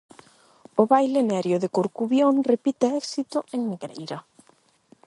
O baile nerio de Corcubión repite éxito en Negreira.